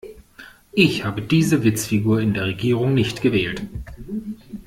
Ich habe diese Witzfigur in der Regierung nicht gewählt.